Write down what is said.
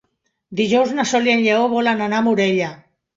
Dijous na Sol i en Lleó volen anar a Morella.